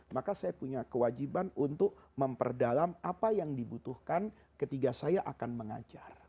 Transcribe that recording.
maka saya punya kewajiban untuk memperdalam apa yang dibutuhkan ketika saya akan mengajar